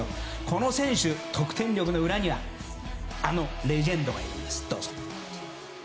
この選手の得点力の裏にはあのレジェンドがいるんです。